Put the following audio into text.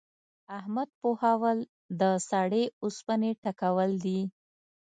احمد پوهول؛ د سړې اوسپنې ټکول دي.